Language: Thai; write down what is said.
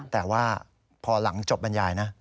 แต่ว่าพอหลังจบบรรยายนะ